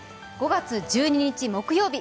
５月１２日木曜日。